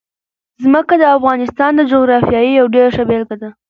ځمکه د افغانستان د جغرافیې یوه ډېره ښه بېلګه ده.